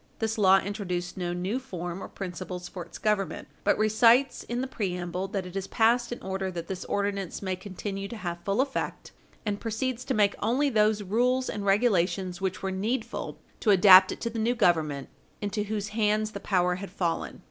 This law introduces no new form or principles for its government, but recites, in the preamble, that it is passed in order that this ordinance may continue to have full effect, and proceeds to make only those rules and regulations which were needful to adapt it to the new Government, into whose hands the power had fallen.